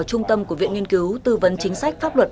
trung tâm của viện nghiên cứu tư vấn chính sách pháp luật